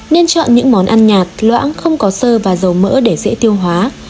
nên chọn những món ăn nhạt loãng không có sơ và dầu mỡ để dễ tiêu hóa